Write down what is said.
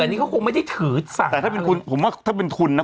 แต่นี่เขาคงไม่ได้ถือศักดิ์แต่ถ้าเป็นคุณผมว่าถ้าเป็นทุนนะ